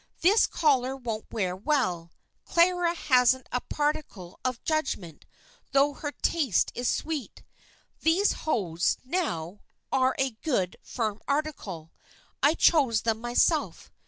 This collar won't wear well; Clara hasn't a particle of judgment, though her taste is sweet. These hose, now, are a good, firm article; I chose them myself.